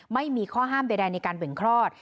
ไม่มีข้อห้ามใดในการเบ่งคลอด